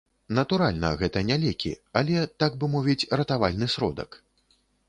Натуральна, гэта не лекі, але, так бы мовіць, ратавальны сродак.